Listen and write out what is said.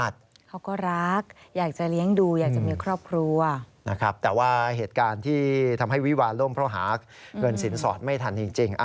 แต่ว่าเหตุการณ์ที่ทำให้วิวารร่มเพราหาเกินสินสอดไม่ทันจริง